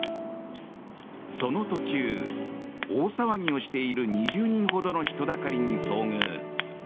その途中、大騒ぎをしている２０人ほどの人だかりに遭遇。